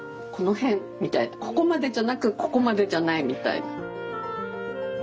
ここまでじゃなくここまでじゃないみたいな。